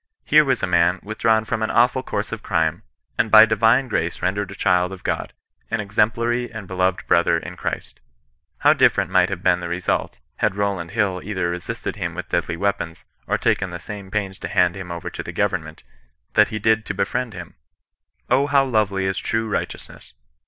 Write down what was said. Here was a man with drawn from an awful course of crime, and by divine grace rendered a child of God — an exemplary and be loved brother in Christ. How different might have been the result, had Rowland Hill either resisted him with deadly weapons, or taken the same pains to hand him over to the government, that he did to befriend him? O how lovely is true righteousness